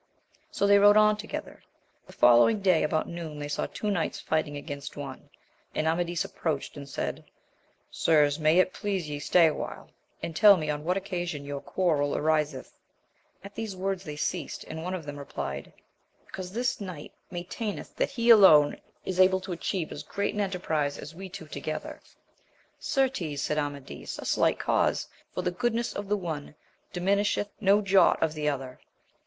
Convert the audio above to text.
So they rode on together. The following day about noon they saw two knights fighting against one, and Amadis approached, and said. Sirs, may it please ye stay awhile, and tell me on what occasion your quarrel ariseth? At these words they ceased^ and one of them replied, Because \Jcas. \3x\.^\i \a2^ 112 AMADIS OF GAUL taineth that he alone is able to atchieve as great an enterprize as we two together. Certes, said Amadis, a slight cause ! for the goodness of the one diminisheth no jot of the other.